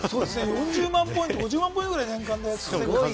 ４０万ポイント、５０万ポイント、年間いってる。